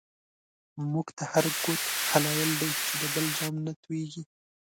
مونږ ته هر گوت هلایل دی، چی د بل جام نه توییږی